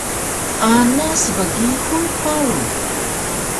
Ana sbgihur paru